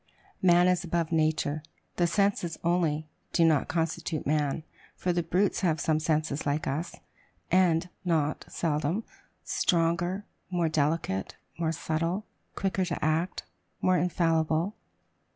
Man is above nature. The senses only, do not constitute man; for the brutes have some senses like us, and, not seldom, stronger, more delicate, more subtile, quicker to act, more infallible.